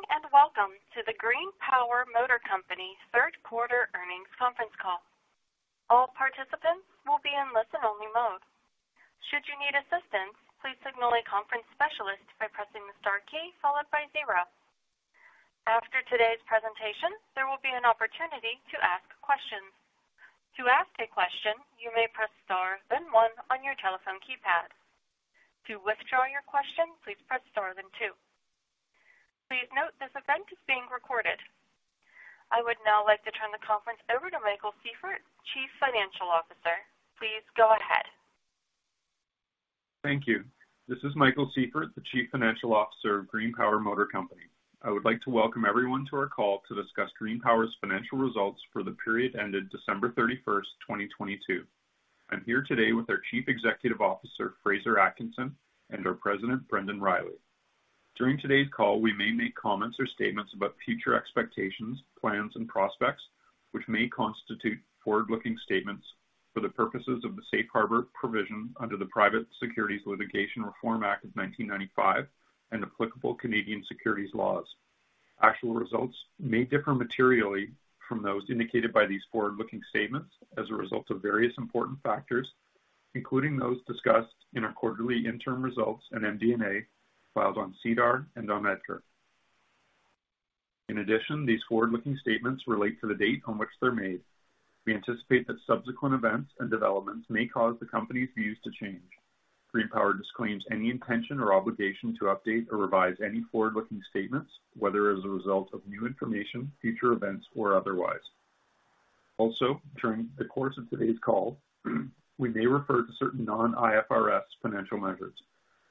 Good morning, and welcome to the GreenPower Motor Company third quarter earnings conference call. All participants will be in listen-only mode. Should you need assistance, please signal a conference specialist by pressing the star key followed by zero. After today's presentation, there will be an opportunity to ask questions. To ask a question, you may press Star then one on your telephone keypad. To withdraw your question, please press Star then two. Please note this event is being recorded. I would now like to turn the conference over to Michael Sieffert, Chief Financial Officer. Please go ahead. Thank you. This is Michael Sieffert, the Chief Financial Officer of GreenPower Motor Company. I would like to welcome everyone to our call to discuss GreenPower's financial results for the period ended December 31, 2022. I'm here today with our Chief Executive Officer, Fraser Atkinson, and our President, Brendan Riley. During today's call, we may make comments or statements about future expectations, plans and prospects, which may constitute forward-looking statements for the purposes of the safe harbor provision under the Private Securities Litigation Reform Act of 1995 and applicable Canadian securities laws. Actual results may differ materially from those indicated by these forward-looking statements as a result of various important factors, including those discussed in our quarterly interim results and MD&A filed on SEDAR and on EDGAR. In addition, these forward-looking statements relate to the date on which they're made. We anticipate that subsequent events and developments may cause the company's views to change. GreenPower disclaims any intention or obligation to update or revise any forward-looking statements, whether as a result of new information, future events or otherwise. Also, during the course of today's call, we may refer to certain non-IFRS financial measures.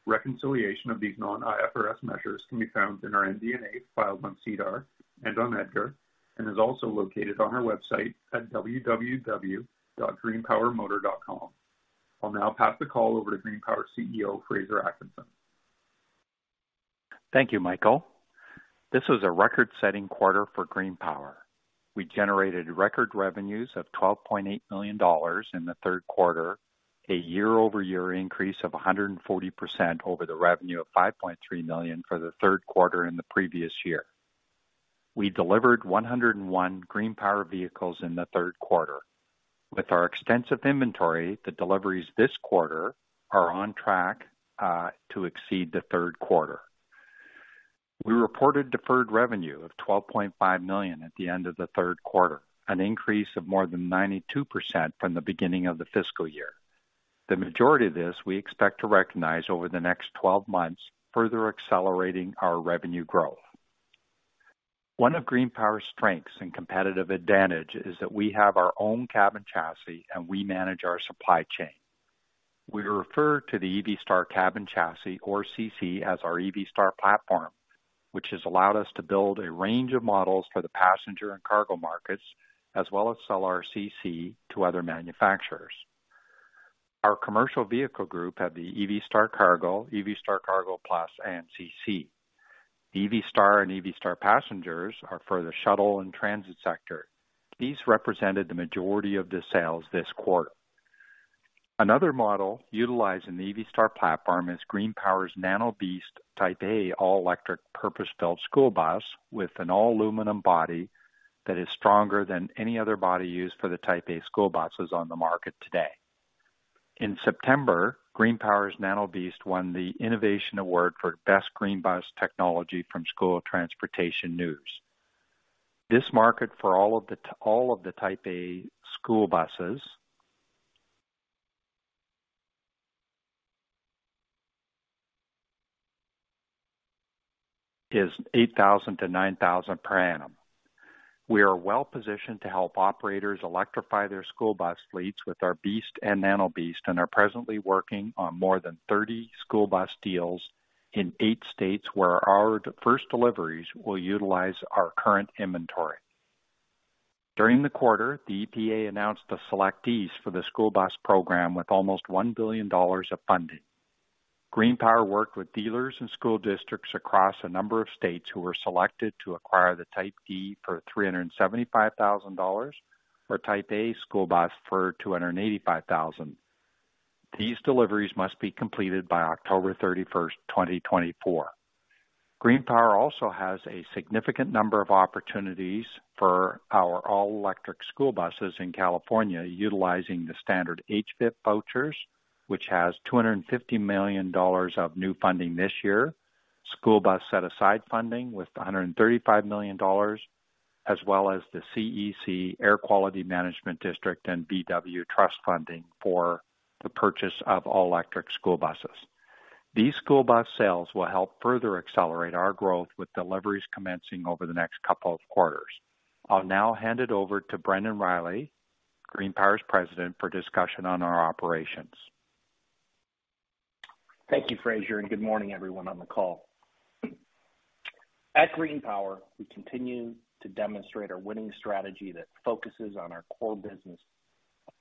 Reconciliation of these non-IFRS measures can be found in our MD&A filed on SEDAR and on EDGAR, and is also located on our website at www.greenpowermotor.com. I'll now pass the call over to GreenPower CEO, Fraser Atkinson. Thank you, Michael. This was a record-setting quarter for GreenPower. We generated record revenues of $12.8 million in the third quarter, a year-over-year increase of 140% over the revenue of $5.3 million for the third quarter in the previous year. We delivered 101 GreenPower vehicles in the third quarter. With our extensive inventory, the deliveries this quarter are on track to exceed the third quarter. We reported deferred revenue of $12.5 million at the end of the third quarter, an increase of more than 92% from the beginning of the fiscal year. The majority of this we expect to recognize over the next 12 months, further accelerating our revenue growth. One of GreenPower's strengths and competitive advantage is that we have our own cabin chassis, and we manage our supply chain. We refer to the EV Star Cab & Chassis or CC as our EV Star platform, which has allowed us to build a range of models for the passenger and cargo markets, as well as sell our CC to other manufacturers. Our commercial vehicle group have the EV Star Cargo, EV Star Cargo Plus, and CC. EV Star and EV Star Passengers are for the shuttle and transit sector. These represented the majority of the sales this quarter. Another model utilized in the EV Star platform is GreenPower's Nano BEAST Type A all-electric purpose-built school bus with an all-aluminum body that is stronger than any other body used for the Type A school buses on the market today. In September, GreenPower's Nano BEAST won the Innovation Award for Best Green Bus Technology from School Transportation News. This market for all of the Type A school buses is 8,000-9,000 per annum. We are well-positioned to help operators electrify their school bus fleets with our BEAST and Nano BEAST, and are presently working on more than 30 school bus deals in eight states where our first deliveries will utilize our current inventory. During the quarter, the EPA announced the selectees for the school bus program with almost $1 billion of funding. GreenPower worked with dealers and school districts across a number of states who were selected to acquire the Type D for $375,000, or Type A school bus for $285,000. These deliveries must be completed by October thirty-first, 2024. GreenPower also has a significant number of opportunities for our all electric school buses in California, utilizing the Standard HVIP vouchers, which has $250 million of new funding this year. School bus set aside funding with $135 million, as well as the CEC Air Quality Management District and VW Trust funding for the purchase of all-electric school buses. These school bus sales will help further accelerate our growth with deliveries commencing over the next couple of quarters. I'll now hand it over to Brendan Riley, GreenPower's President, for discussion on our operations. Thank you, Fraser. Good morning everyone on the call. At GreenPower, we continue to demonstrate our winning strategy that focuses on our core business,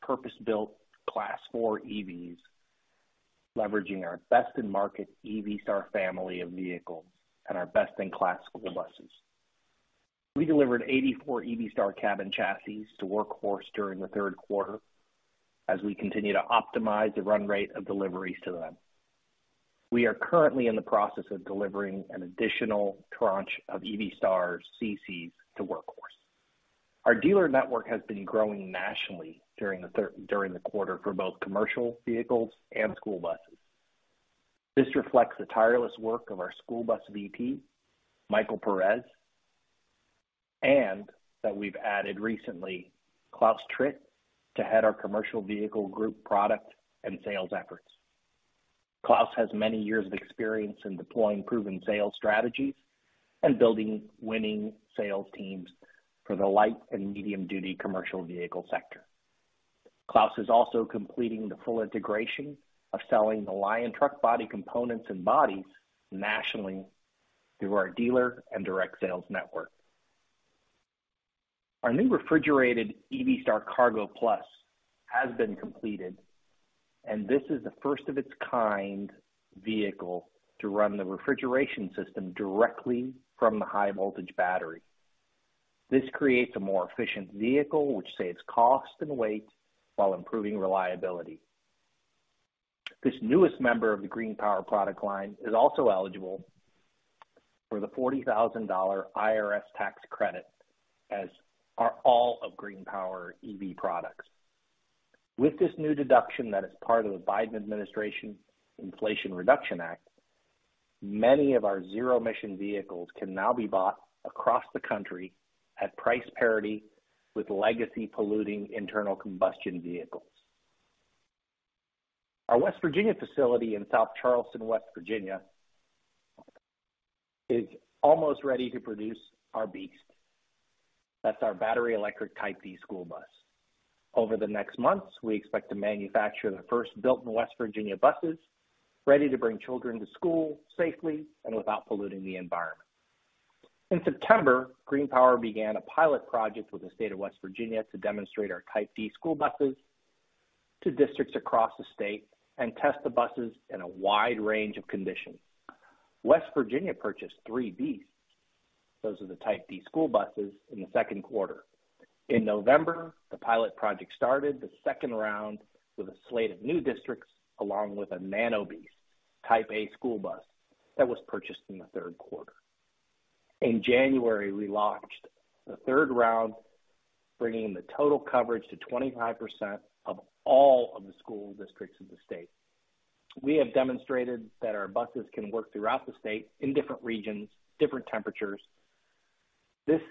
purpose-built Class 4 EVs, leveraging our best in market EV Star family of vehicle and our best in class school buses. We delivered 84 EV Star Cab & Chassis to Workhorse during the third quarter as we continue to optimize the run rate of deliveries to them. We are currently in the process of delivering an additional tranche of EV Star CCs to Workhorse. Our dealer network has been growing nationally during the quarter for both commercial vehicles and school buses. This reflects the tireless work of our school bus VP, Michael Perez, and that we've added recently Claus Tritt to head our commercial vehicle group product and sales efforts. Claus has many years of experience in deploying proven sales strategies and building winning sales teams for the light and medium-duty commercial vehicle sector. Claus is also completing the full integration of selling the Lion Truck Body components and bodies nationally through our dealer and direct sales network. Our new refrigerated EV Star Cargo Plus has been completed, and this is the first of its kind vehicle to run the refrigeration system directly from the high voltage battery. This creates a more efficient vehicle which saves cost and weight while improving reliability. This newest member of the GreenPower product line is also eligible for the $40,000 IRS tax credit, as are all of GreenPower EV products. With this new deduction that is part of the Biden administration Inflation Reduction Act, many of our zero emission vehicles can now be bought across the country at price parity with legacy polluting internal combustion vehicles. Our West Virginia facility in South Charleston, West Virginia is almost ready to produce our BEAST. That's our battery electric Type D school bus. Over the next months, we expect to manufacture the first built in West Virginia buses, ready to bring children to school safely and without polluting the environment. In September, GreenPower began a pilot project with the state of West Virginia to demonstrate our Type D school buses to districts across the state and test the buses in a wide range of conditions. West Virginia purchased 3 BEASTs, those are the Type D school buses, in the second quarter. In November, the pilot project started the second round with a slate of new districts, along with a Nano BEAST Type A school bus that was purchased in the third quarter. In January, we launched the third round, bringing the total coverage to 25% of all of the school districts in the state. We have demonstrated that our buses can work throughout the state in different regions, different temperatures. This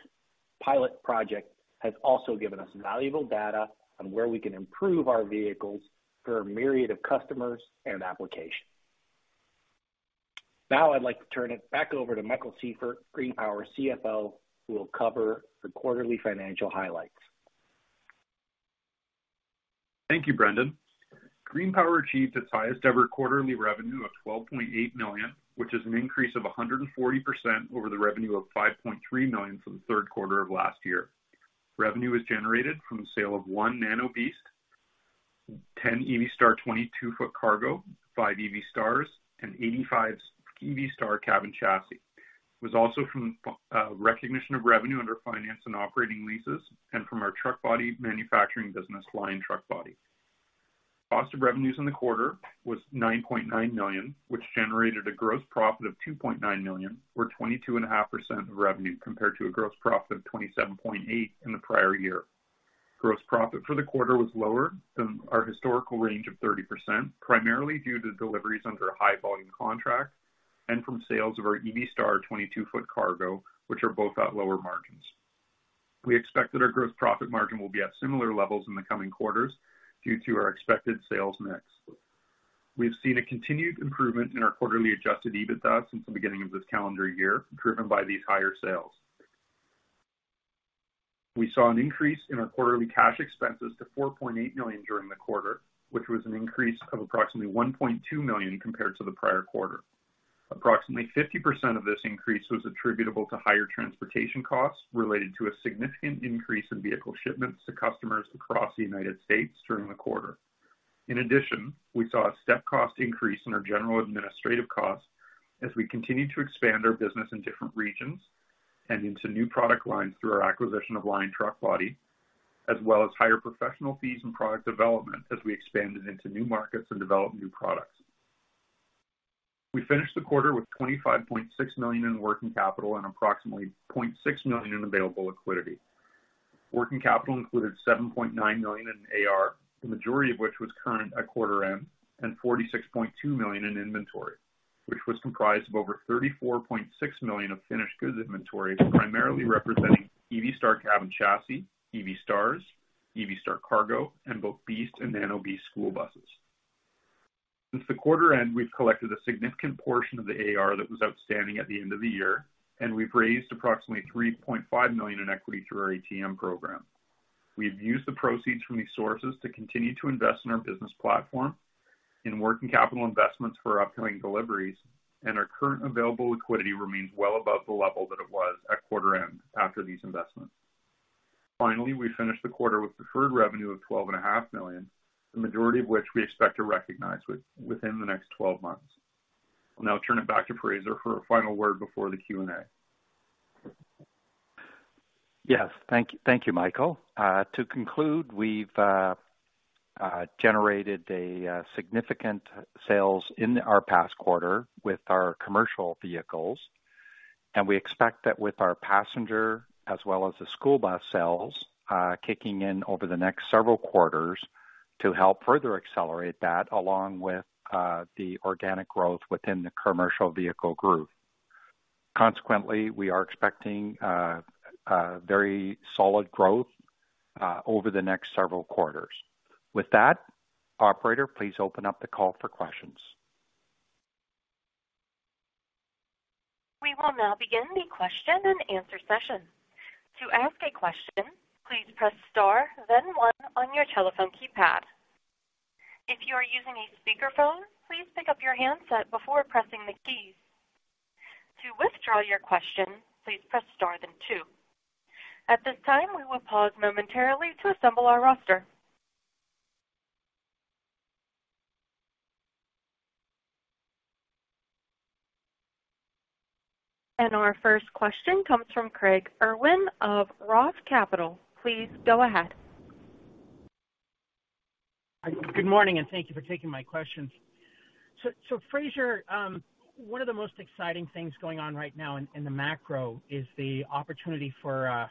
pilot project has also given us valuable data on where we can improve our vehicles for a myriad of customers and applications. I'd like to turn it back over to Michael Sieffert, GreenPower CFO, who will cover the quarterly financial highlights. Thank you, Brendan. GreenPower achieved its highest ever quarterly revenue of $12.8 million, which is an increase of 140 over the revenue of $5.3 million from the third quarter of last year. Revenue was generated from the sale of one Nano BEAST, 10 EV Star 22-foot cargo, five EV Stars, and 85 EV Star Cab & Chassis. It was also from recognition of revenue under finance and operating leases and from our truck body manufacturing business line, Lion Truck Body. Cost of revenues in the quarter was $9.9 million, which generated a gross profit of $2.9 million, or 22.5% of revenue, compared to a gross profit of $27.8 in the prior year. Gross profit for the quarter was lower than our historical range of 30%, primarily due to deliveries under a high volume contract and from sales of our EV Star 22-foot cargo, which are both at lower margins. We expect that our gross profit margin will be at similar levels in the coming quarters due to our expected sales mix. We've seen a continued improvement in our quarterly adjusted EBITDA since the beginning of this calendar year, driven by these higher sales. We saw an increase in our quarterly cash expenses to $4.8 million during the quarter, which was an increase of approximately $1.2 million compared to the prior quarter. Approximately 50% of this increase was attributable to higher transportation costs related to a significant increase in vehicle shipments to customers across the United States during the quarter. In addition, we saw a step cost increase in our general administrative costs as we continue to expand our business in different regions and into new product lines through our acquisition of Lion Truck Body, as well as higher professional fees and product development as we expanded into new markets and developed new products. We finished the quarter with $25.6 million in working capital and approximately $0.6 million in available liquidity. Working capital included $7.9 million in AR, the majority of which was current at quarter end, and $46.2 million in inventory, which was comprised of over $34.6 million of finished goods inventory, primarily representing EV Star Cab & Chassis, EV Stars, EV Star Cargo, and both BEAST and Nano BEAST school buses. Since the quarter end, we've collected a significant portion of the AR that was outstanding at the end of the year, we've raised approximately $3.5 million in equity through our ATM program. We've used the proceeds from these sources to continue to invest in our business platform, in working capital investments for our upcoming deliveries, our current available liquidity remains well above the level that it was at quarter end after these investments. Finally, we finished the quarter with deferred revenue of $12.5 million, the majority of which we expect to recognize within the next 12 months. I'll now turn it back to Fraser for a final word before the Q&A. Yes. Thank you, Michael. To conclude, we've generated a significant sales in our past quarter with our commercial vehicles, and we expect that with our passenger as well as the school bus sales kicking in over the next several quarters to help further accelerate that, along with the organic growth within the commercial vehicle group. Consequently, we are expecting very solid growth over the next several quarters. With that, operator, please open up the call for questions. We will now begin the question and answer session. To ask a question, please press star then 1 on your telephone keypad. If you are using a speakerphone, please pick up your handset before pressing the keys. To withdraw your question, please press star then 2. At this time, we will pause momentarily to assemble our roster. Our first question comes from Craig Irwin of Roth Capital. Please go ahead. Good morning, and thank you for taking my questions. Fraser, one of the most exciting things going on right now in the macro is the opportunity for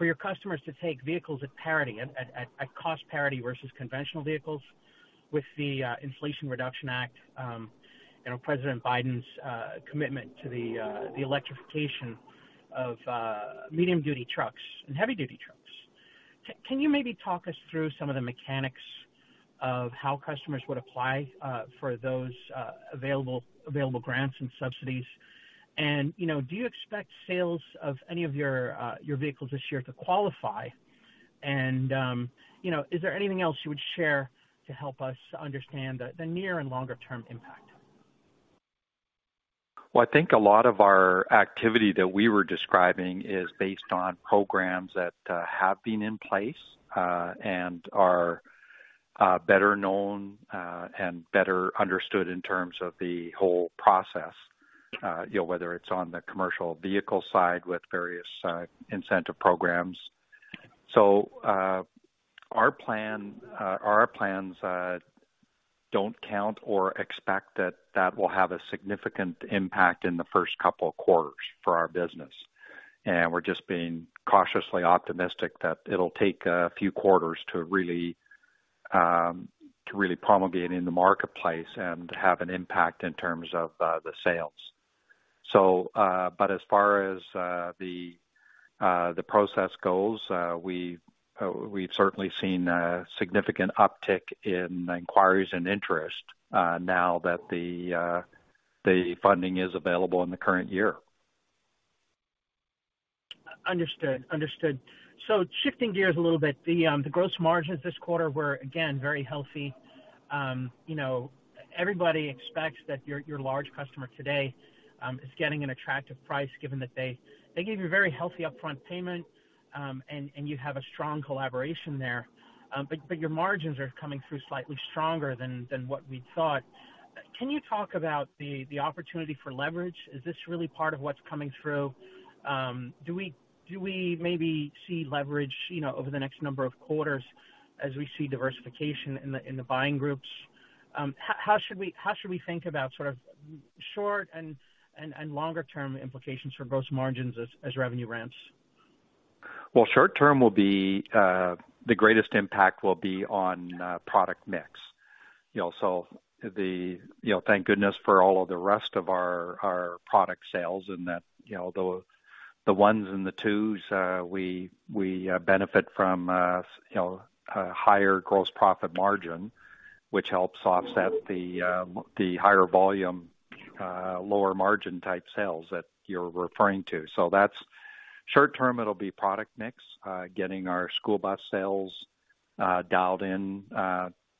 your customers to take vehicles at parity, at cost parity versus conventional vehicles with the Inflation Reduction Act, you know, President Biden's commitment to the electrification of medium-duty trucks and heavy-duty trucks. Can you maybe talk us through some of the mechanics of how customers would apply for those available grants and subsidies? You know, do you expect sales of any of your vehicles this year to qualify? You know, is there anything else you would share to help us understand the near and longer-term impact? Well, I think a lot of our activity that we were describing is based on programs that have been in place and are better known and better understood in terms of the whole process, you know, whether it's on the commercial vehicle side with various incentive programs. Our plans don't count or expect that that will have a significant impact in the first couple of quarters for our business. We're just being cautiously optimistic that it'll take a few quarters to really to really promulgate in the marketplace and have an impact in terms of the sales. As far as the process goes, we've certainly seen a significant uptick in inquiries and interest now that the funding is available in the current year. Understood. Understood. Shifting gears a little bit, the gross margins this quarter were again, very healthy. You know, everybody expects that your large customer today, is getting an attractive price given that they give you a very healthy upfront payment, and you have a strong collaboration there. Your margins are coming through slightly stronger than what we thought. Can you talk about the opportunity for leverage? Is this really part of what's coming through? Do we maybe see leverage, you know, over the next number of quarters as we see diversification in the buying groups? How should we think about sort of short and longer term implications for gross margins as revenue ramps? Well, short term will be, the greatest impact will be on product mix. You know, thank goodness for all of the rest of our product sales and that, you know, the ones and the twos, we benefit from, you know, higher gross profit margin, which helps offset the higher volume, lower margin type sales that you're referring to. That's short term, it'll be product mix, getting our school bus sales, dialed in,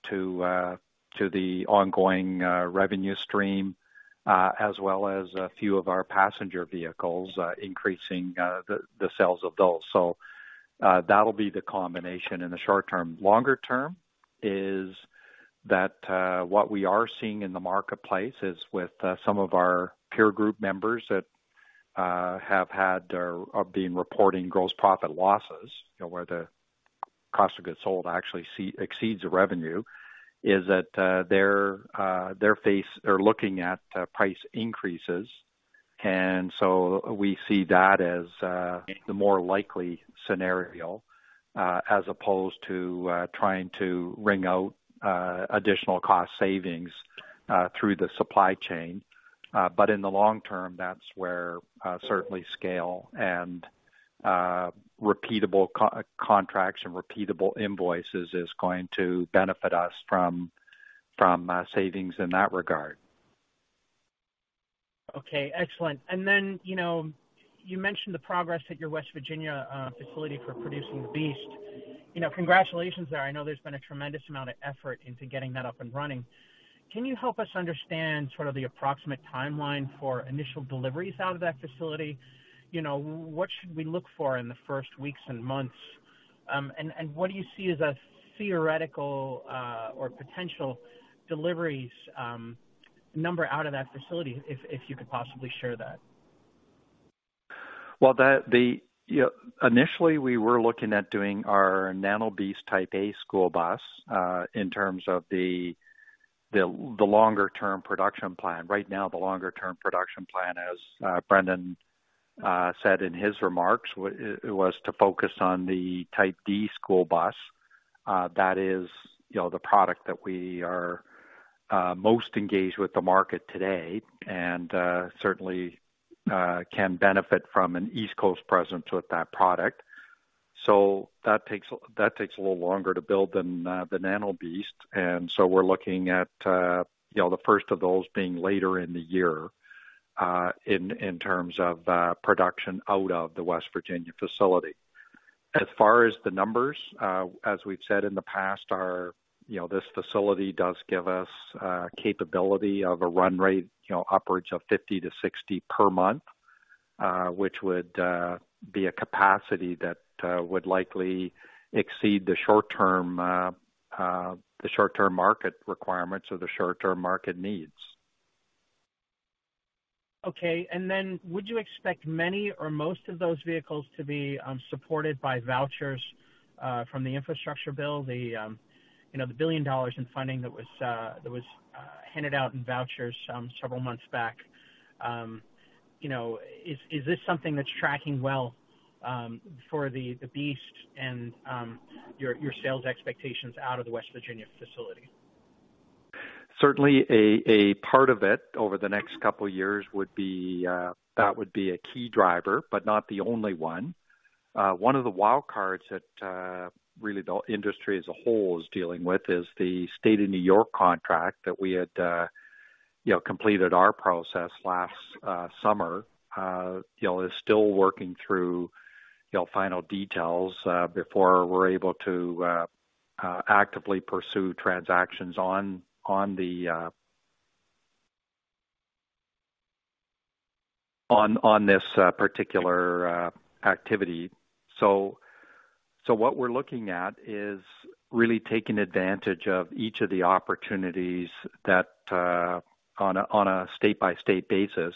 to the ongoing revenue stream, as well as a few of our passenger vehicles, increasing the sales of those. That'll be the combination in the short term. Longer term is that, what we are seeing in the marketplace is with some of our peer group members that have had or have been reporting gross profit losses, you know, where the cost of goods sold actually exceeds the revenue is that, they're looking at price increases. We see that as the more likely scenario as opposed to trying to wring out additional cost savings through the supply chain. In the long term, that's where certainly scale and repeatable contracts and repeatable invoices is going to benefit us from savings in that regard. Okay, excellent. You know, you mentioned the progress at your West Virginia facility for producing the BEAST. You know, congratulations there. I know there's been a tremendous amount of effort into getting that up and running. Can you help us understand sort of the approximate timeline for initial deliveries out of that facility? You know, what should we look for in the first weeks and months? And what do you see as a theoretical or potential deliveries number out of that facility, if you could possibly share that? Well, initially we were looking at doing our Nano BEAST Type A school bus, in terms of the longer term production plan. Right now, the longer term production plan, as Brendan said in his remarks, it was to focus on the Type D school bus. That is, you know, the product that we are most engaged with the market today and certainly can benefit from an East Coast presence with that product. That takes a little longer to build than the Nano BEAST. We're looking at, you know, the first of those being later in the year, in terms of production out of the West Virginia facility. As far as the numbers, as we've said in the past, our... You know, this facility does give us, capability of a run rate, you know, upwards of 50 to 60 per month, which would, be a capacity that, would likely exceed the short term market requirements or the short term market needs. Okay. Would you expect many or most of those vehicles to be supported by vouchers from the infrastructure bill, the, you know, the $1 billion in funding that was handed out in vouchers several months back? You know, is this something that's tracking well for the BEAST and your sales expectations out of the West Virginia facility? Certainly a part of it over the next couple of years would be that would be a key driver, but not the only one. One of the wild cards that really the industry as a whole is dealing with is the State of New York contract that we had, you know, completed our process last summer, you know, is still working through, you know, final details before we're able to actively pursue transactions on the on this particular activity. What we're looking at is really taking advantage of each of the opportunities that on a state by state basis,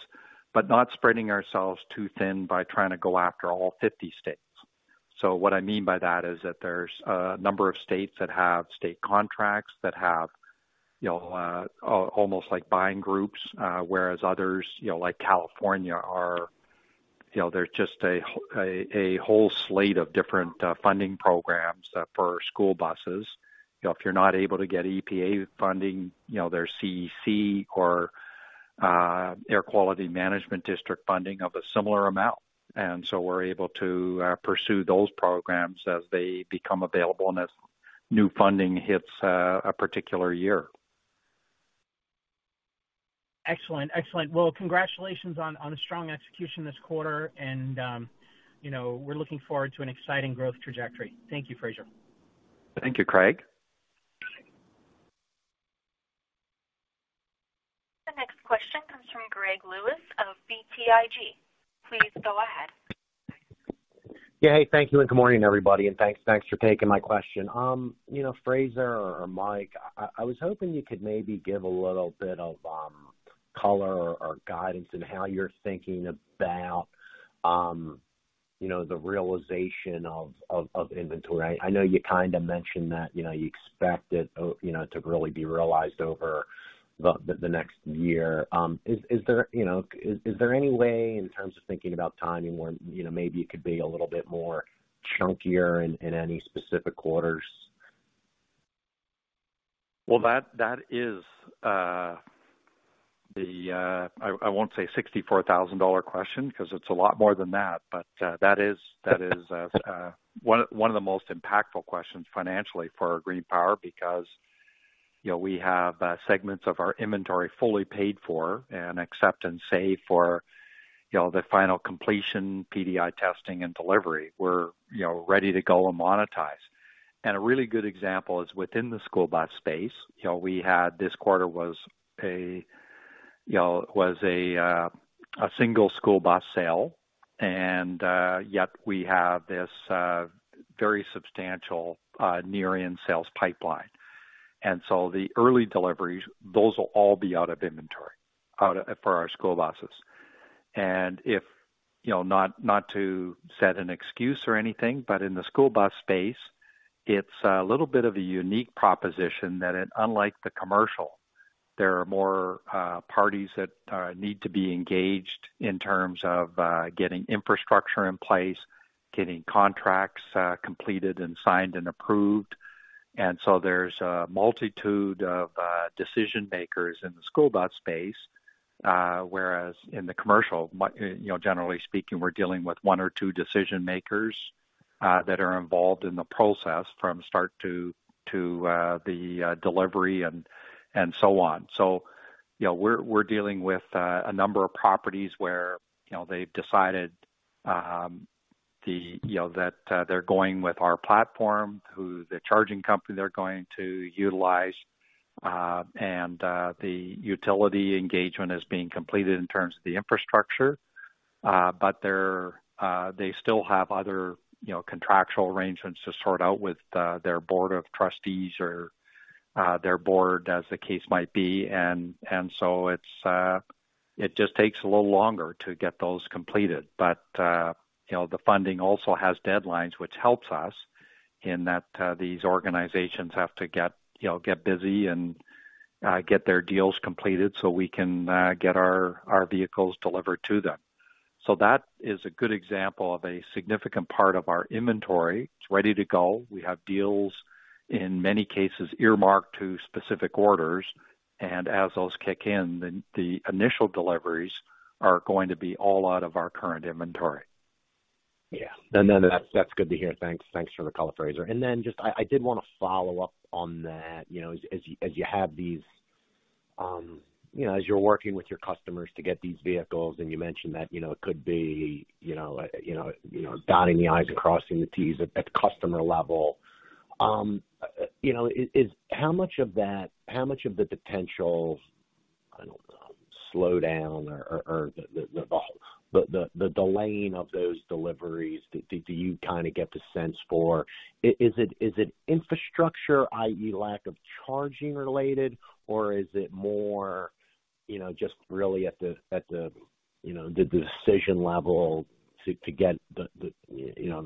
but not spreading ourselves too thin by trying to go after all 50 states. What I mean by that is that there's a number of states that have state contracts that have, you know, almost like buying groups, whereas others, you know, like California are, you know, there's just a whole slate of different funding programs for school buses. You know, if you're not able to get EPA funding, you know, there's CEC or Air Quality Management District funding of a similar amount. We're able to pursue those programs as they become available and as new funding hits a particular year. Excellent. Well, congratulations on a strong execution this quarter and, you know, we're looking forward to an exciting growth trajectory. Thank you, Fraser. Thank you, Craig. Bye. The next question comes from Greg Lewis of BTIG. Please go ahead. Yeah. Hey, thank you, and good morning, everybody, and thanks for taking my question. You know, Fraser or Mike, I was hoping you could maybe give a little bit of color or guidance in how you're thinking about, you know, the realization of inventory. I know you kinda mentioned that, you know, you expect it, you know, to really be realized over the next year. Is there, you know, is there any way in terms of thinking about timing where, you know, maybe it could be a little bit more chunkier in any specific quarters? Well, that is the I won't say $64,000 question because it's a lot more than that, but that is one of the most impactful questions financially for Green Power because, you know, we have segments of our inventory fully paid for and except and save for, you know, the final completion, PDI testing and delivery. We're, you know, ready to go and monetize. A really good example is within the school bus space. You know, we had this quarter was a, you know, was a single school bus sale, and yet we have this very substantial near in sales pipeline. The early deliveries, those will all be out of inventory for our school buses. If, you know, not to set an excuse or anything, but in the school bus space, it's a little bit of a unique proposition that it, unlike the commercial, there are more parties that need to be engaged in terms of getting infrastructure in place, getting contracts completed and signed and approved. So there's a multitude of decision makers in the school bus space, whereas in the commercial, you know, generally speaking, we're dealing with one or two decision makers that are involved in the process from start to the delivery and so on. You know, we're dealing with a number of properties where, you know, they've decided, you know, that they're going with our platform, who the charging company they're going to utilize. The utility engagement is being completed in terms of the infrastructure. They still have other, you know, contractual arrangements to sort out with their board of trustees or their board as the case might be. It just takes a little longer to get those completed. You know, the funding also has deadlines, which helps us in that these organizations have to get busy and get their deals completed so we can get our vehicles delivered to them. That is a good example of a significant part of our inventory. It's ready to go. We have deals, in many cases, earmarked to specific orders. As those kick in, then the initial deliveries are going to be all out of our current inventory. Yeah. That's good to hear. Thanks. Thanks for the color, Fraser. Just I did want to follow up on that, you know, as you have these, you know, as you're working with your customers to get these vehicles, and you mentioned that, you know, it could be, you know, dotting the I's and crossing the T's at the customer level. You know, is how much of that, how much of the potential, I don't know, slowdown or the delaying of those deliveries do you kind of get the sense for? Is it infrastructure, i.e., lack of charging related, or is it more, you know, just really at the, you know, the decision level to get the, you know,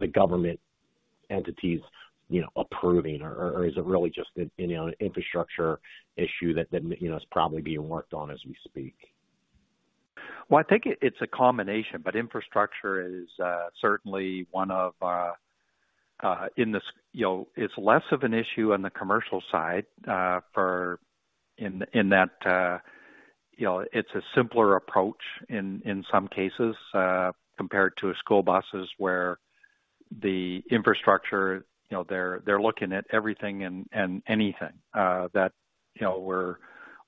the government entities, you know, approving? Or is it really just an infrastructure issue that, you know, is probably being worked on as we speak? I think it's a combination, but infrastructure is certainly one of. You know, it's less of an issue on the commercial side for in that, you know, it's a simpler approach in some cases compared to school buses where the infrastructure, you know, they're looking at everything and anything that, you know, we're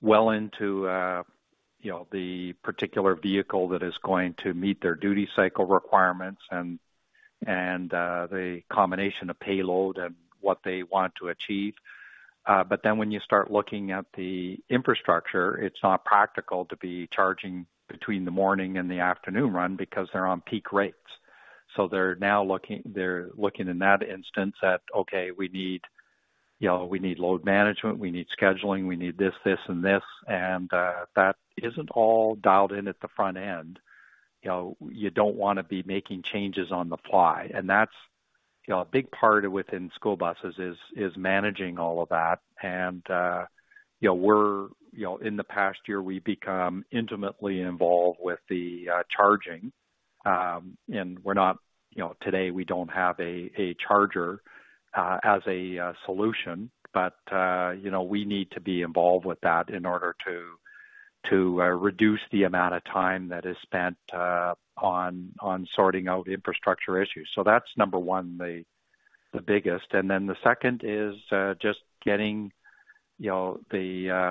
well into, you know, the particular vehicle that is going to meet their duty cycle requirements and the combination of payload and what they want to achieve. When you start looking at the infrastructure, it's not practical to be charging between the morning and the afternoon run because they're on peak rates. They're now looking in that instance at, okay, we need, you know, we need load management, we need scheduling, we need this and this. That isn't all dialed in at the front end. You know, you don't want to be making changes on the fly. That's, you know, a big part within school buses is managing all of that. You know, we're, you know, in the past year, we've become intimately involved with the charging. And we're not, you know, today we don't have a charger as a solution. You know, we need to be involved with that in order to reduce the amount of time that is spent on sorting out infrastructure issues. That's number one, the biggest. The second is just getting, you know, the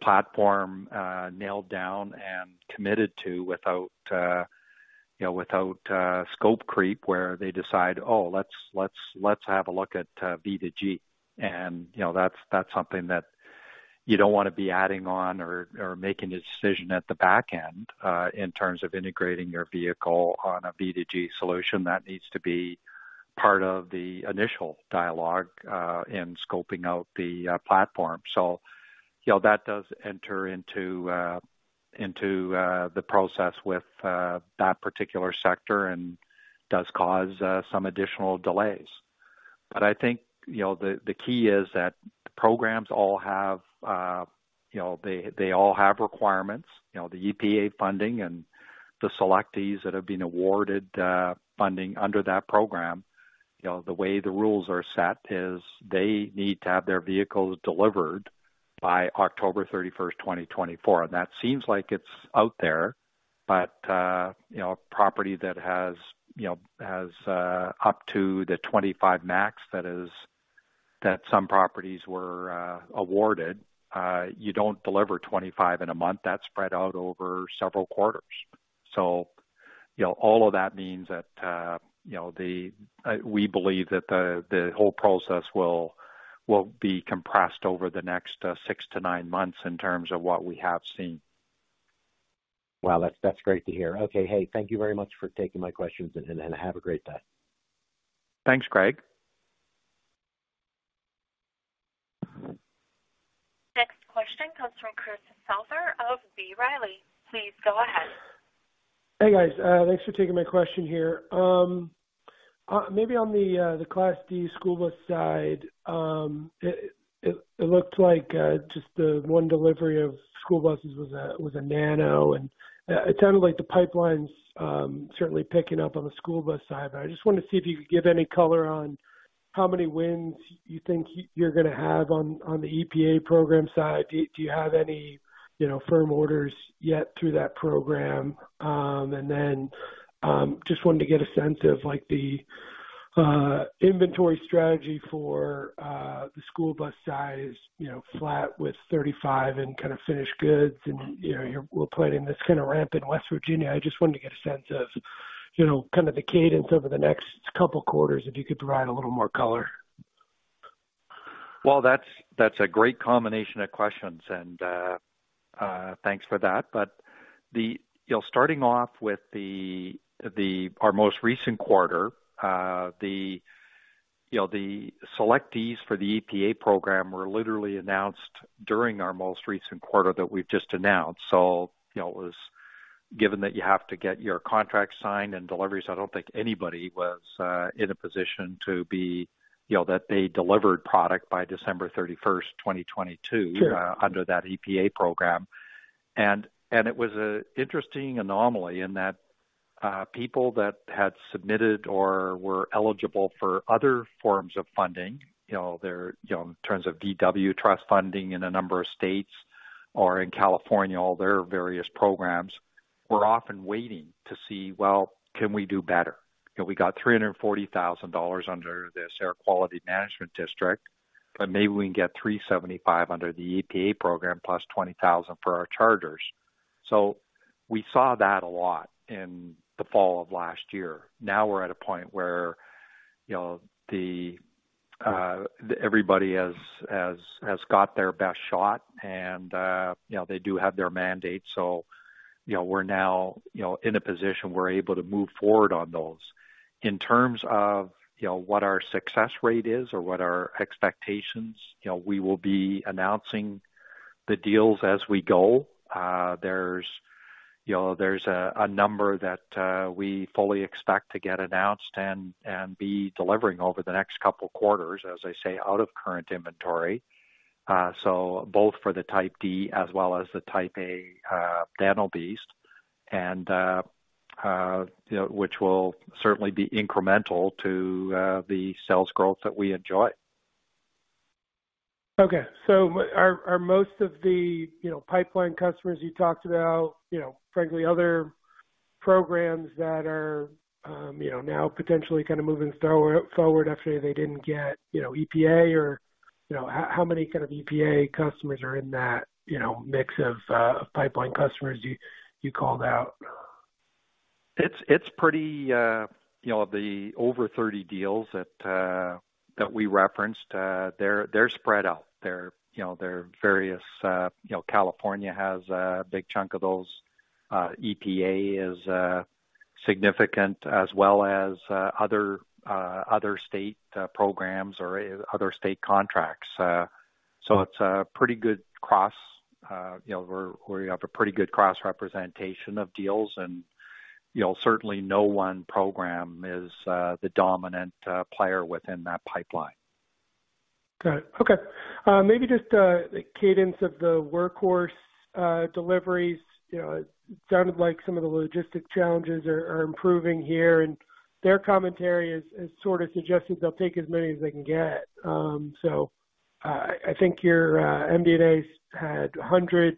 platform nailed down and committed to without, you know, without scope creep, where they decide, "Oh, let's have a look at V2G." You know, that's something that you don't want to be adding on or making a decision at the back end in terms of integrating your vehicle on a V2G solution. That needs to be part of the initial dialogue in scoping out the platform. You know, that does enter into into the process with that particular sector and does cause some additional delays. I think, you know, the key is that programs all have, you know, they all have requirements. You know, the EPA funding and the selectees that have been awarded, funding under that program. You know, the way the rules are set is they need to have their vehicles delivered by October 31st, 2024. That seems like it's out there. A property that has, you know, has, up to the 25 max that is, that some properties were, awarded, you don't deliver 25 in a month. That's spread out over several quarters. All of that means that, you know, we believe that the whole process will be compressed over the next 6 to 9 months in terms of what we have seen. Wow. That's great to hear. Okay. Hey, thank you very much for taking my questions, and have a great day. Thanks, Craig. Next question comes from Christopher Souther of B. Riley. Please go ahead. Hey, guys. Thanks for taking my question here. Maybe on the Class D school bus side, it looks like just the one delivery of school buses was a Nano, and it sounded like the pipeline's certainly picking up on the school bus side. I just wanted to see if you could give any color on how many wins you think you're gonna have on the EPA program side. Do you have any, you know, firm orders yet through that program? Then, just wanted to get a sense of like the inventory strategy for the school bus size, you know, flat with 35 and kind of finished goods. You know, we're putting this kind of ramp in West Virginia. I just wanted to get a sense of, you know, kind of the cadence over the next couple quarters, if you could provide a little more color. Well, that's a great combination of questions and thanks for that. You know, starting off with our most recent quarter, the, you know, the selectees for the EPA program were literally announced during our most recent quarter that we've just announced. You know, it was given that you have to get your contract signed and deliveries, I don't think anybody was in a position to be, you know, that they delivered product by December 31, 2022. Sure under that EPA program. It was an interesting anomaly in that people that had submitted or were eligible for other forms of funding, you know, their, you know, in terms of VW Trust funding in a number of states or in California, all their various programs, were often waiting to see, well, can we do better? You know, we got $340,000 under this Air Quality Management District, but maybe we can get $375,000 under the EPA program plus $20,000 for our chargers. We saw that a lot in the fall of last year. Now we're at a point where, you know, the everybody has got their best shot and you know, they do have their mandate. We're now, you know, in a position we're able to move forward on those. In terms of, you know, what our success rate is or what our expectations, you know, we will be announcing the deals as we go. There's, you know, there's a number that, we fully expect to get announced and be delivering over the next couple quarters, as I say, out of current inventory. Both for the Type D as well as the Type A, Nano BEAST and, you know, which will certainly be incremental to, the sales growth that we enjoy. Okay. Are most of the, you know, pipeline customers you talked about, you know, frankly other programs that are, you know, now potentially kind of moving forward after they didn't get, you know, EPA or? How many kind of EPA customers are in that, you know, mix of pipeline customers you called out? It's, it's pretty, you know, the over 30 deals that we referenced, they're spread out. They're, you know, they're various, you know, California has a big chunk of those. EPA is significant as well as other state programs or other state contracts. It's a pretty good cross. You know, we're, we have a pretty good cross-representation of deals and, you know, certainly no one program is the dominant player within that pipeline. Got it. Okay. Maybe just the cadence of the Workhorse deliveries. You know, it sounded like some of the logistic challenges are improving here, and their commentary is sort of suggesting they'll take as many as they can get. I think your MD&A had 100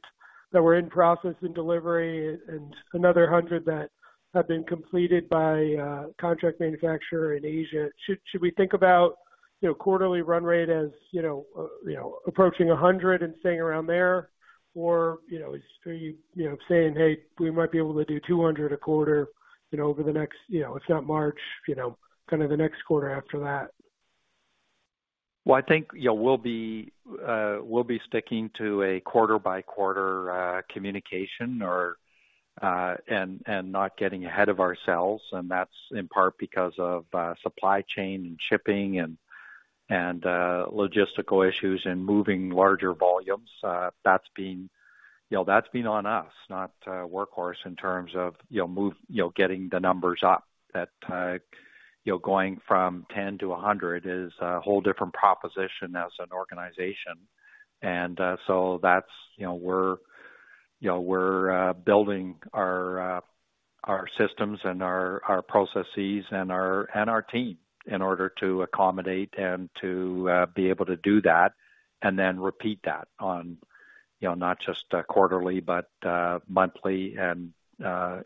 that were in process in delivery and another 100 that have been completed by a contract manufacturer in Asia. Should we think about, you know, quarterly run rate as, you know, approaching 100 and staying around there? Or, you know, are you know, saying, "Hey, we might be able to do 200 a quarter," you know, over the next, you know, if not March, you know, kind of the next quarter after that? Well, I think, you know, we'll be sticking to a quarter-by-quarter communication or, and not getting ahead of ourselves, and that's in part because of supply chain and shipping and logistical issues and moving larger volumes. That's been, you know, that's been on us, not Workhorse in terms of, you know, getting the numbers up. That, you know, going from 10 to 100 is a whole different proposition as an organization. That's, you know, we're building our systems and our processes and our team in order to accommodate and to be able to do that and then repeat that on, you know, not just quarterly, but monthly and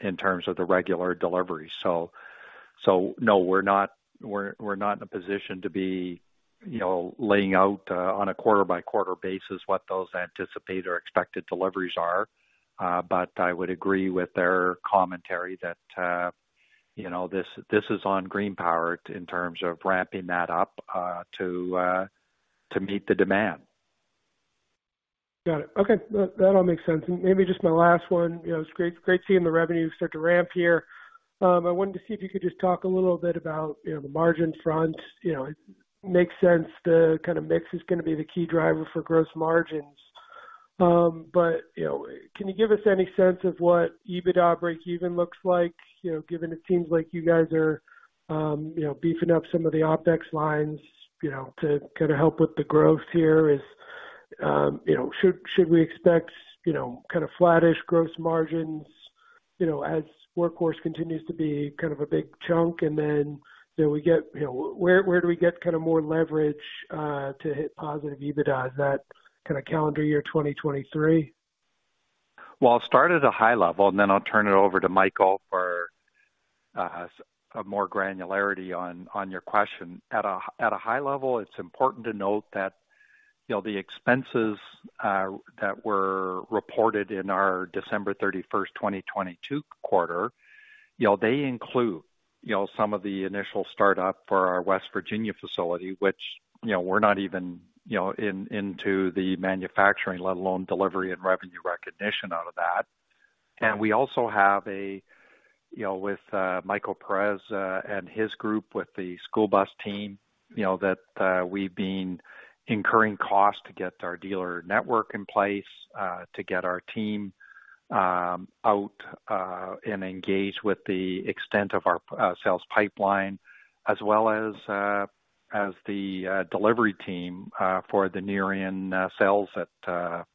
in terms of the regular delivery. No, we're not, we're not in a position to be, you know, laying out on a quarter-by-quarter basis what those anticipated or expected deliveries are. I would agree with their commentary that, you know, this is on GreenPower in terms of ramping that up to meet the demand. Got it. Okay. That, that all makes sense. Maybe just my last one. You know, it's great seeing the revenue start to ramp here. I wanted to see if you could just talk a little bit about, you know, the margin front. You know, it makes sense the kind of mix is gonna be the key driver for gross margins. You know, can you give us any sense of what EBITDA breakeven looks like? You know, given it seems like you guys are, you know, beefing up some of the OpEx lines, you know, to kind of help with the growth here. Is, you know, should we expect, you know, kind of flattish gross margins, you know, as Workhorse continues to be kind of a big chunk? Do we get, you know, where do we get kind of more leverage to hit positive EBITDA? Is that kind of calendar year 2023? Well, I'll start at a high level, and then I'll turn it over to Michael for a more granularity on your question. At a high level, it's important to note that the expenses that were reported in our December 31st, 2022 quarter, they include some of the initial startup for our West Virginia facility, which we're not even in, into the manufacturing, let alone delivery and revenue recognition out of that. We also have a, you know, with Michael Perez, and his group with the school bus team, you know, that we've been incurring costs to get our dealer network in place, to get our team out and engaged with the extent of our sales pipeline, as well as the delivery team for the near-in sales that,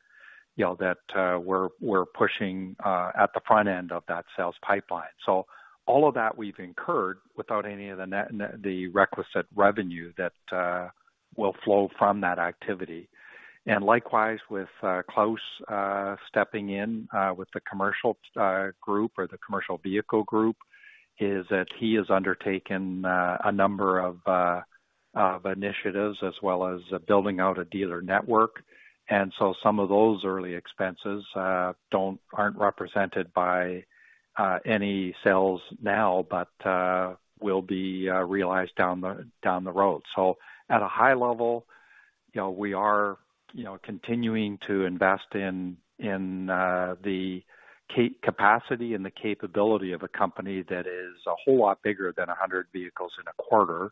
you know, that we're pushing at the front end of that sales pipeline. All of that we've incurred without any of the requisite revenue that will flow from that activity. Likewise with Claus, stepping in with the commercial group or the commercial vehicle group, is that he has undertaken a number of initiatives as well as building out a dealer network. Some of those early expenses aren't represented by any sales now, but will be realized down the road. At a high level, you know, we are, you know, continuing to invest in the capacity and the capability of a company that is a whole lot bigger than 100 vehicles in a quarter.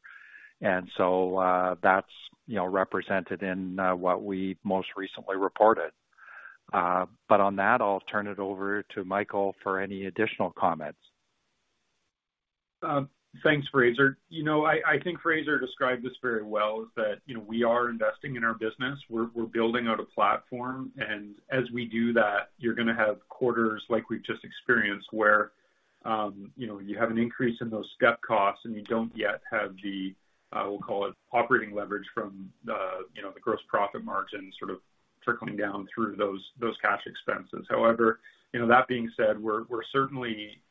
That's, you know, represented in what we most recently reported. On that, I'll turn it over to Michael for any additional comments. Thanks, Fraser. You know, I think Fraser described this very well is that, you know, we are investing in our business. We're building out a platform, and as we do that, you're gonna have quarters like we've just experienced where, you know, you have an increase in those step costs and you don't yet have the, we'll call it operating leverage from the, you know, the gross profit margin sort of trickling down through those cash expenses. However, you know, that being said, we're certainly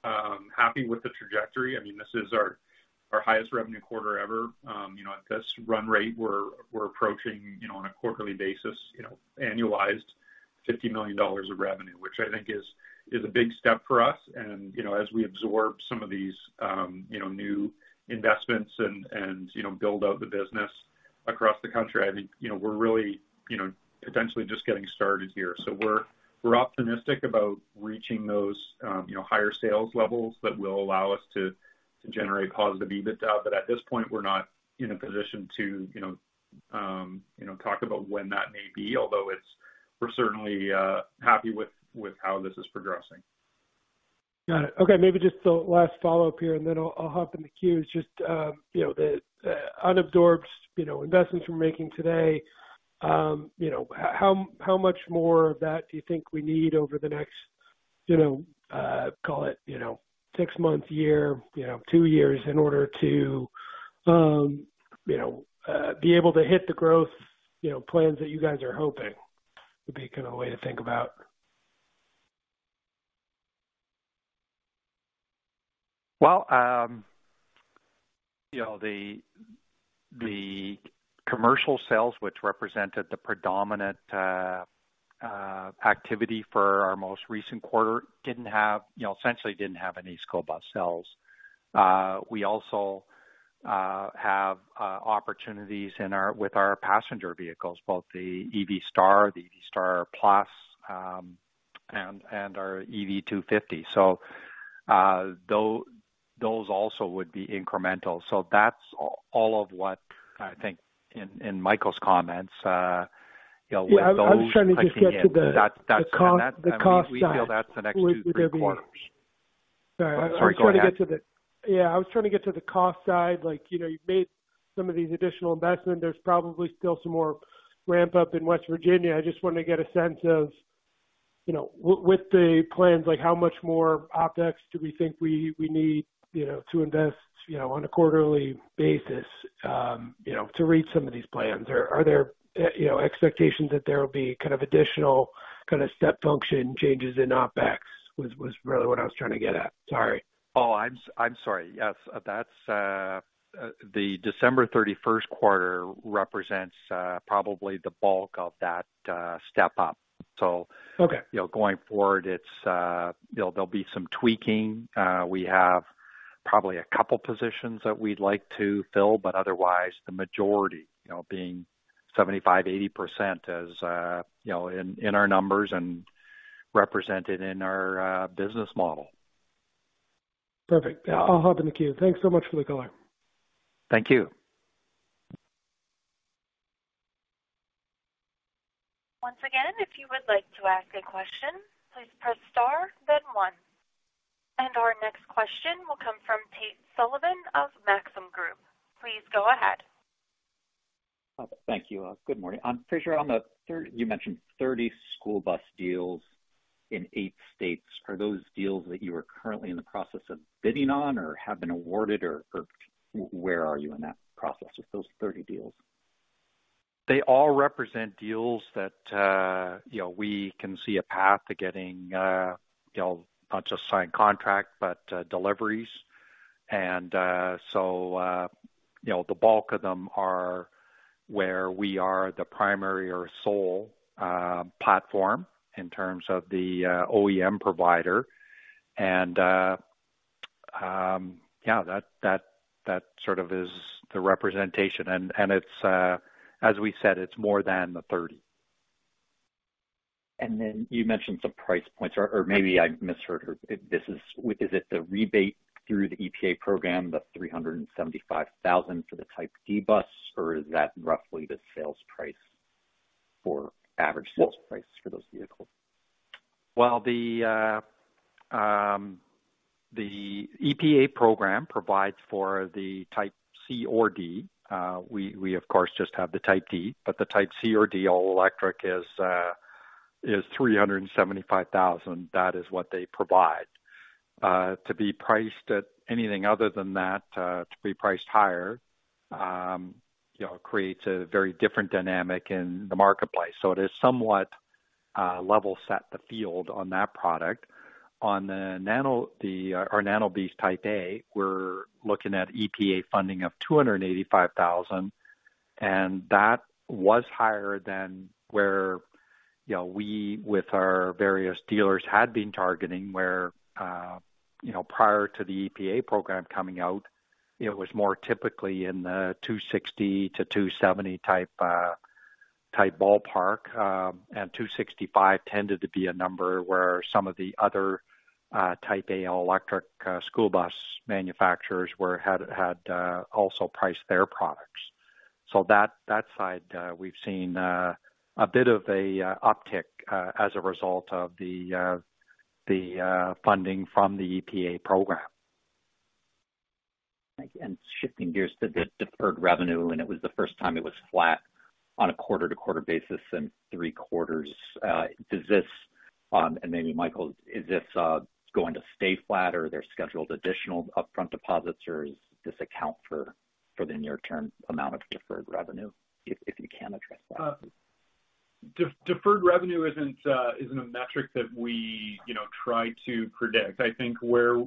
happy with the trajectory. I mean, this is our highest revenue quarter ever. You know, at this run rate we're approaching, you know, on a quarterly basis, you know, annualized $50 million of revenue, which I think is a big step for us. You know, as we absorb some of these, you know, new investments and, you know, build out the business across the country, I think, you know, we're really, you know, potentially just getting started here. We're optimistic about reaching those, you know, higher sales levels that will allow us to generate positive EBITDA. At this point, we're not in a position to, you know, talk about when that may be, although we're certainly happy with how this is progressing. Got it. Okay, maybe just the last follow-up here and then I'll hop in the queue. Just, you know, the unabsorbed, you know, investments we're making today, you know, how much more of that do you think we need over the next, you know, call it, you know, six months, year, you know, two years in order to, you know, be able to hit the growth, you know, plans that you guys are hoping, would be kind of a way to think about? Well, you know, the commercial sales, which represented the predominant activity for our most recent quarter didn't have, you know, essentially didn't have any school bus sales. We also have opportunities with our passenger vehicles, both the EV Star, the EV Star Plus, and our EV250. Those also would be incremental. That's all of what I think in Michael's comments, you know, with those. Yeah, I was trying to just get to. That's. The cost side. We feel that's the next two, three quarters. Would there be... Sorry, go ahead. Yeah, I was trying to get to the cost side. Like, you know, you've made some of these additional investments. There's probably still some more ramp-up in West Virginia. I just wanted to get a sense of, you know, with the plans, like how much more OpEx do we think we need, you know, to invest, you know, on a quarterly basis, you know, to reach some of these plans? Or are there, you know, expectations that there will be kind of additional kind of step function changes in OpEx was really what I was trying to get at. Sorry. Oh, I'm sorry. Yes. That's the December 31st quarter represents probably the bulk of that step up. Okay. You know, going forward, it's, there'll be some tweaking. We have probably a couple positions that we'd like to fill, but otherwise the majority, you know, being 75%, 80% as, you know, in our numbers and represented in our business model. Perfect. I'll hop in the queue. Thanks so much for the color. Thank you. Once again, if you would like to ask a question, please press star then one. Our next question will come from Tate Sullivan of Maxim Group. Please go ahead. Thank you. Good morning. Fraser, you mentioned 30 school bus deals in 8 states. Are those deals that you are currently in the process of bidding on or have been awarded or where are you in that process with those 30 deals? They all represent deals that, you know, we can see a path to getting, you know, not just signed contract, but deliveries. So, you know, the bulk of them are where we are the primary or sole platform in terms of the OEM provider. Yeah, that sort of is the representation. It's, as we said, it's more than the 30. You mentioned some price points or maybe I misheard. Is it the rebate through the EPA program, the $375,000 for the Type D bus, or is that roughly the sales price for average sales price for those vehicles? Well, the EPA program provides for the Type C or D. We of course, just have the Type D, but the Type C or D all electric is $375,000. That is what they provide. To be priced at anything other than that, to be priced higher, you know, creates a very different dynamic in the marketplace. It is somewhat level set the field on that product. On the Nano BEAST Type A, we're looking at EPA funding of $285,000, and that was higher than where, you know, we, with our various dealers had been targeting where, you know, prior to the EPA program coming out, it was more typically in the $260,000-$270,000 type ballpark. 265 tended to be a number where some of the other Type A all-electric school bus manufacturers had also priced their products. That side, we've seen a bit of an uptick as a result of the funding from the EPA program. Thank you. Shifting gears to the deferred revenue, and it was the first time it was flat on a quarter to quarter basis in three quarters. Does this, and maybe Michael, is this going to stay flat or are there scheduled additional upfront deposits, or is this account for the near term amount of deferred revenue? If you can address that. Deferred revenue isn't a metric that we, you know, try to predict. I think the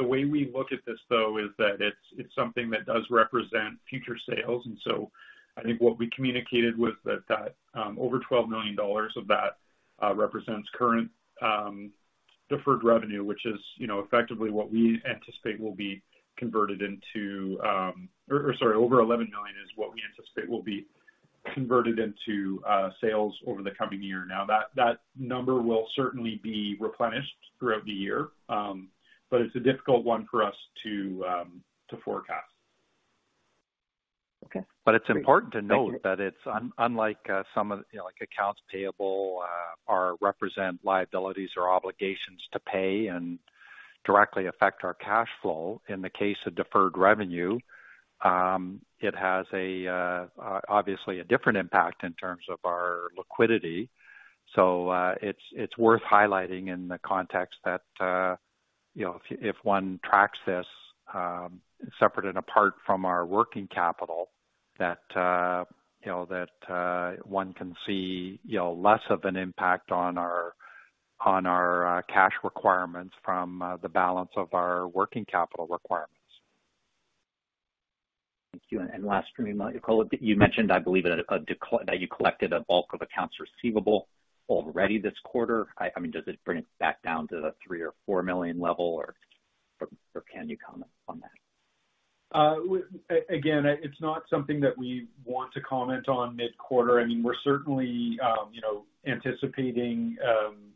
way we look at this, though, is that it's something that does represent future sales. I think what we communicated was that, over $12 million of that, represents current deferred revenue, which is, you know, effectively what we anticipate will be converted into... Or sorry, over $11 million is what we anticipate will be converted into sales over the coming year. That number will certainly be replenished throughout the year. It's a difficult one for us to forecast. Okay. It's important to note that it's unlike some of, you know, like accounts payable, are represent liabilities or obligations to pay and directly affect our cash flow. In the case of deferred revenue, it has a, obviously a different impact in terms of our liquidity. It's worth highlighting in the context that, you know, if one tracks this, separate and apart from our working capital that, you know, that, one can see, you know, less of an impact on our, cash requirements from, the balance of our working capital requirements. Thank you. Last for you, Michael, you mentioned, I believe that you collected a bulk of accounts receivable already this quarter. I mean, does it bring it back down to the $3 million or $4 million level or can you comment on that? Again, it's not something that we want to comment on mid-quarter. I mean, we're certainly, you know, anticipating,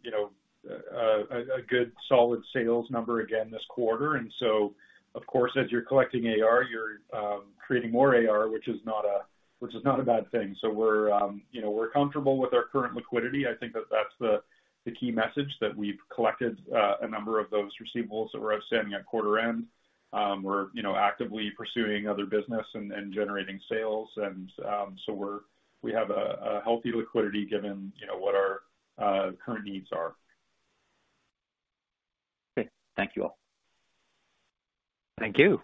you know, a good solid sales number again this quarter. Of course as you're collecting AR, you're creating more AR, which is not a bad thing. We're, you know, we're comfortable with our current liquidity. I think that that's the key message that we've collected a number of those receivables that were outstanding at quarter end. We're, you know, actively pursuing other business and generating sales. We have a healthy liquidity given, you know, what our current needs are. Okay. Thank you all. Thank you.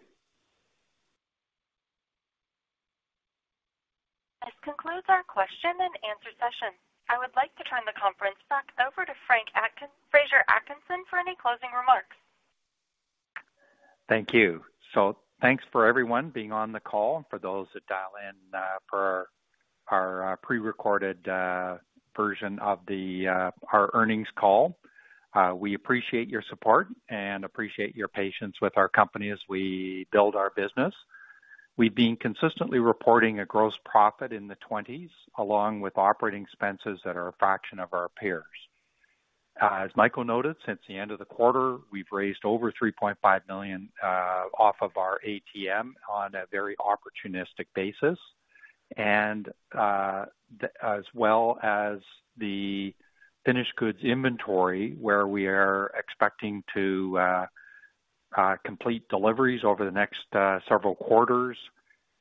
This concludes our question and answer session. I would like to turn the conference back over to Fraser Atkinson for any closing remarks. Thank you. Thanks for everyone being on the call and for those that dial in for our prerecorded version of our earnings call. We appreciate your support and appreciate your patience with our company as we build our business. We've been consistently reporting a gross profit in the twenties along with operating expenses that are a fraction of our peers. As Michael noted, since the end of the quarter, we've raised over $3.5 million off of our ATM on a very opportunistic basis. As well as the finished goods inventory where we are expecting to complete deliveries over the next several quarters,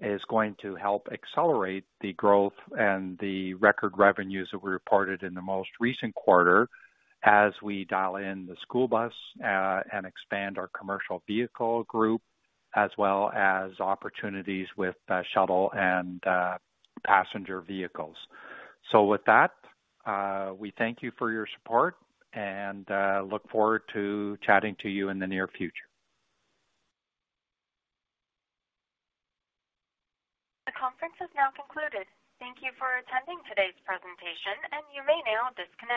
is going to help accelerate the growth and the record revenues that we reported in the most recent quarter as we dial in the school bus and expand our commercial vehicle group as well as opportunities with shuttle and passenger vehicles. With that, we thank you for your support and look forward to chatting to you in the near future. The conference is now concluded. Thank you for attending today's presentation. You may now disconnect.